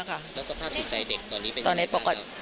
แล้วสภาพจิตใจเด็กตอนนี้เป็นยังไงตอนนี้